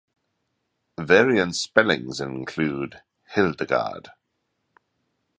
Variant spellings include Hildegarde.